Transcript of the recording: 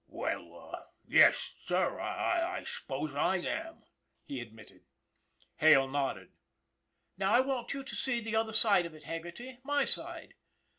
" Well, yes, sir, I suppose I am," he admitted. Hale nodded. " Now, I want you to see the other side of it, Haggerty my side.